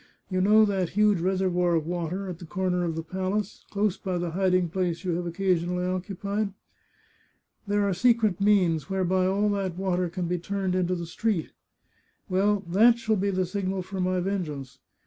" You know that huge reservoir of water, at the corner of the palace, close by the hiding place you have occasionally occupied ? There are secret means whereby all that water can be turned into the street. Well, that shall be the signal for my vengeance.